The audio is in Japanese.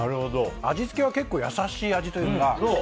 味付けは結構優しい味というか。